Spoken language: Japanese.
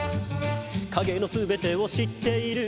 「影の全てを知っている」